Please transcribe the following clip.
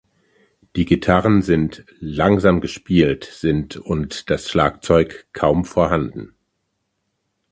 Die Gitarren sind „langsam gespielt“ sind und das Schlagzeug „kaum vorhanden“.